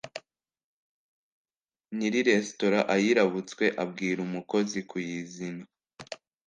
nyiri resitora ayirabutswe abwira umukozi kuyizna